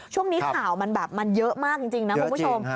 ช่วงนี้ข่าวมันแบบมันเยอะมากจริงนะคุณผู้ชม